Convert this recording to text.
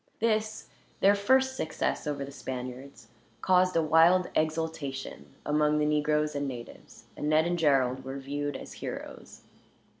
This, their first success over the Spaniards, caused a wild exultation among the negroes and natives; and Ned and Gerald were viewed as heroes.